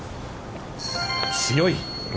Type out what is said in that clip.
強い！